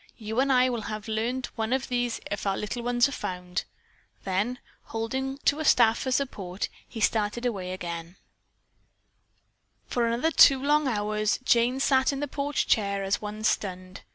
You and I will each have learned one of these if our little ones are found." Then, holding to a staff for support, he again started away. For another two long hours Jane sat in the porch chair as one stunned.